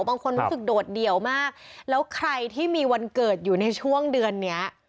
บางคนรู้สึกโดดเดี่ยวมากแล้วใครที่มีวันเกิดอยู่ในช่วงเดือนเนี้ย